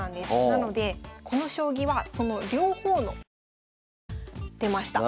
なのでこの将棋はその両方の良さっていうのが出ました。